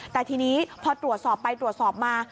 แต่ทีนี้พอตรวจสอบไปตรวจสอบมา